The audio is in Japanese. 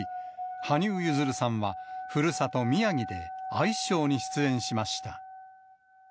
羽生結弦さんは、ふるさと、宮城でアイスショーに出演しました。